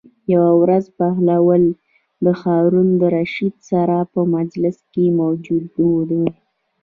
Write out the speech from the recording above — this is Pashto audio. یوه ورځ بهلول د هارون الرشید سره په مجلس کې موجود و.